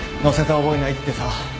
乗せた覚えないってさ。